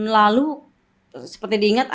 lalu seperti diingat